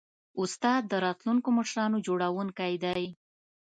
استاد د راتلونکو مشرانو جوړوونکی دی.